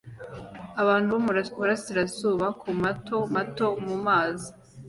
Abantu bo muburasirazuba kumato mato mumazi